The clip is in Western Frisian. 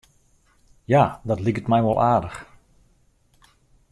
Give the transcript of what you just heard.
Ja, dat liket my wol aardich.